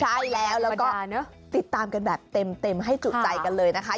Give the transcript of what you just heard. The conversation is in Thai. ใช่แล้วแล้วก็ติดตามกันแบบเต็มให้จุใจกันเลยนะคะ